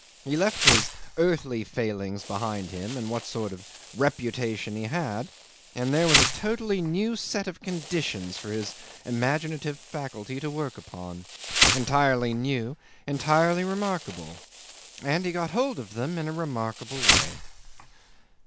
He left his earthly failings behind him and what sort of reputation he had, and there was a totally new set of conditions for his imaginative faculty to work upon. Entirely new, entirely remarkable. And he got hold of them in a remarkable way.